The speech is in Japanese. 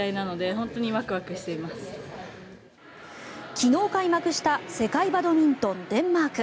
昨日開幕した世界バドミントンデンマーク。